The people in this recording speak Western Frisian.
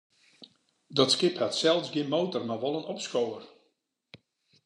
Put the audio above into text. Dat skip hat sels gjin motor, mar wol in opskower.